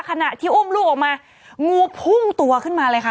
ขณะที่อุ้มลูกออกมางูพุ่งตัวขึ้นมาเลยค่ะ